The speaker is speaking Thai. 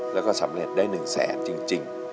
แล้วก็สำเร็จได้๑แสนจริง